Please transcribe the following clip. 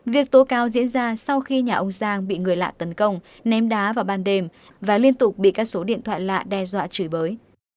việc tố cáo diễn ra sau khi nhà ông giang bị người lạ tấn công ném đá vào ban đêm và liên tục bị các số điện thoại lạ đe dọa chửi bới